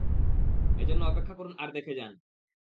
এজন্য অপেক্ষা করুন আর দেখে যান।